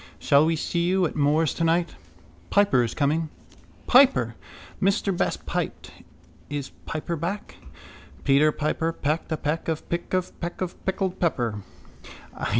Shall we see you at Moore's tonight? Piper is coming. —Piper! Mr Best piped. Is Piper back? Peter Piper pecked a peck of pick of peck of pickled pepper.